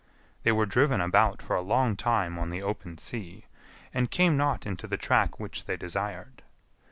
They were driven about for a long time on the open sea, and came not into the track which they desired.